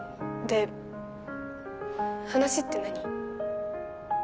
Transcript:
で話って何？